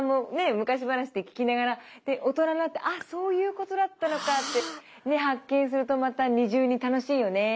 昔話って聞きながら大人になって「ああそういうことだったのか」って発見するとまた二重に楽しいよね。